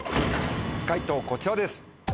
解答こちらです。